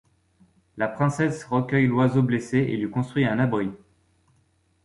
La princesse recueille l'oiseau blessé et lui construit un abri.